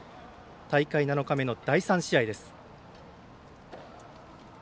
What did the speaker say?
大会７日目の第３試合です。